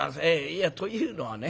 いやというのはね